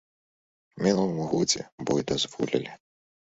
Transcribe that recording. У мінулым годзе бой дазволілі.